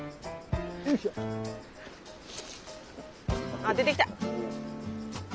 あっ出てきた！